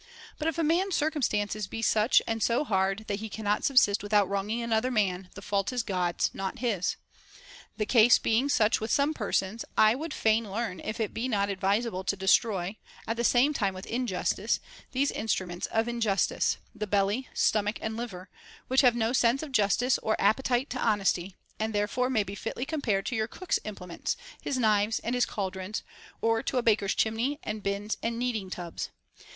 But if a man's circumstances be such and so hard that he cannot subsist without wronging another man, the fault is God's, not his. The case being such with some persons, I would fain learn if it be not advisable to destroy, at the same time with injustice, these instruments of injustice, the belly, stomach, and liver, which have no sense of justice or appetite to honesty, and therefore may be fitly compared to your cook's implements, his knives and his caldrons, or to a baker's chimney and bins and kneading tubs.